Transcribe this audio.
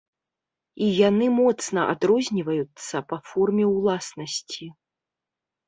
І яны моцна адрозніваюцца па форме ўласнасці.